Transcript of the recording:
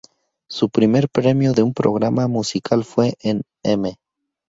Su primer premio de un programa musical fue en "M!